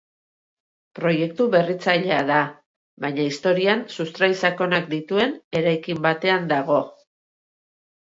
Proiektu berritzailea da, baina historian sustrai sakonak dituen eraikin batean dago.